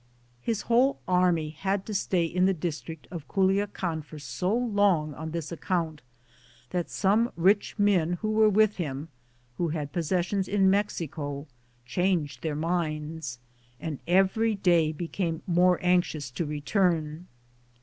His whole army had to stay in the district of Culiacan for so long on this ac count that some rich men who were with him, who had possessions in Mexico, changed their minds, and every day became more anxious to return.